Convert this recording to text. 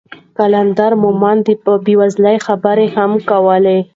قلندر مومند د بې وزلو خبرې هم کولې.